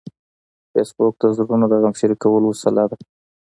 فېسبوک د زړونو د غم شریکولو وسیله ده